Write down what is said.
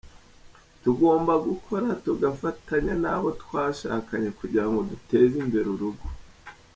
Tugomba gukora, tugafatanya n’abo twashakanye kugira ngo duteze imbere urugo.